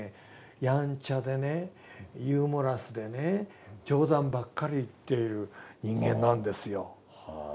やんちゃでねユーモラスでね冗談ばっかり言っている人間なんですよ。